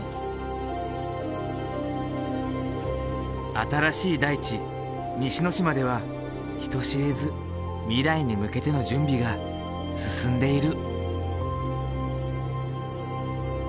新しい大地西之島では人知れず未来に向けての準備が進んでいる。